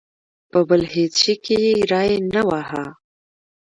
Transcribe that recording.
په بل هېڅ شي کې یې ری نه واهه.